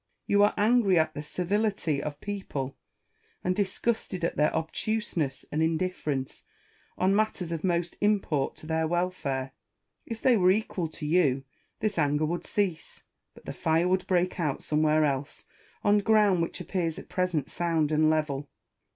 You are angry at the servility of people, and disgusted at their obtuseness and indifference, on matters of most import to their wel fare. If they were equal to you, this anger would cease ; but the fire would break out somewhere else, on ground which appears at present sound and level.